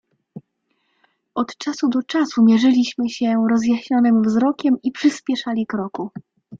"Od czasu do czasu mierzyliśmy się rozjaśnionym wzrokiem i przyśpieszali kroku."